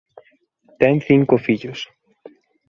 Ten cinco fillos.